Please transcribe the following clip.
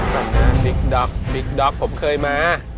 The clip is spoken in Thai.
สักหน้าบิ๊กด๊อกผมเคยมา